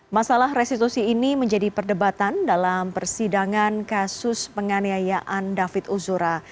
masalah restitusi ini menjadi perdebatan dalam persidangan kasus penganiayaan david ozora